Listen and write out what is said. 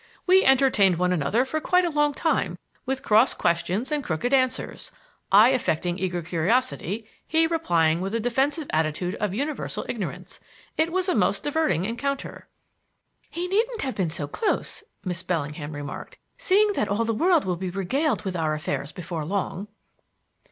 We entertained one another for quite a long time with cross questions and crooked answers; I affecting eager curiosity, he replying with a defensive attitude of universal ignorance. It was a most diverting encounter." "He needn't have been so close," Miss Bellingham remarked, "seeing that all the world will be regaled with our affairs before long."